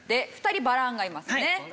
２人バランがいますね。